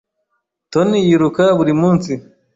Tony yiruka buri munsi.